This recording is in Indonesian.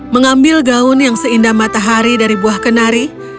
mengambil gaun yang seindah matahari dari buah kenari